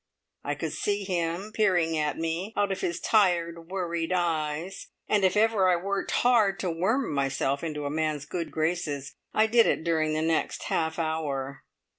I could see him peering at me out of his tired, worried eyes, and if ever I worked hard to worm myself into a man's good graces, I did it during the next half hour.